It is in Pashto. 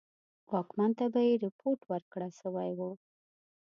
واکمن ته به یې رپوټ ورکړه سوی وو.